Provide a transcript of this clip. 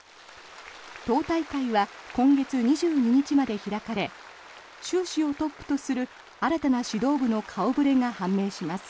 党大会は今月２２日まで開かれ習氏をトップとする新たな指導部の顔触れが判明します。